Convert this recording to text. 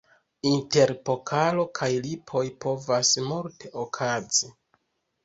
Inter pokalo kaj lipoj povas multe okazi.